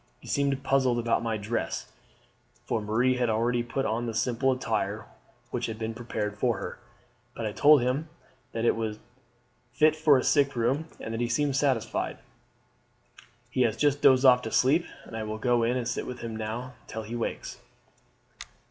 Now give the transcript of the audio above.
He seemed puzzled about my dress" for Marie had already put on the simple attire which had been prepared for her "but I told him that it was fit for a sick room, and he seemed satisfied. He has just dozed off to sleep, and I will go in and sit with him now till he wakes."